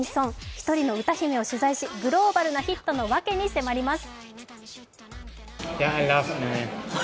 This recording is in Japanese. １人の歌姫を取材しグローバルなヒットの裏側をみてみます。